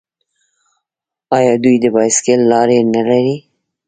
آیا دوی د بایسکل لارې نلري؟